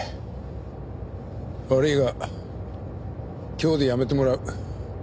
悪いが今日で辞めてもらう。